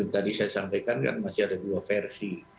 tadi saya sampaikan kan masih ada dua versi